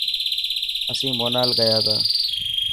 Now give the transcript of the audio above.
اسين مونال گياتا.